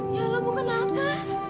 ya allah bu kenapa